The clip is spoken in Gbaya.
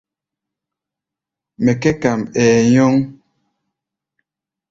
Mɛ kɛ̧́ kam, ɛɛ nyɔŋ.